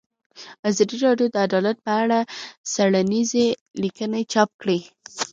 ازادي راډیو د عدالت په اړه څېړنیزې لیکنې چاپ کړي.